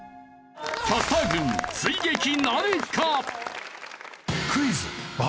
キャスター軍追撃なるか？